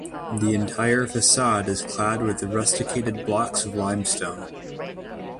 The entire facade is clad with rusticated blocks of limestone.